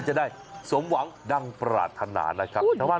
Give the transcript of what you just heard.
จะได้สมหวังดังปราธานาคำ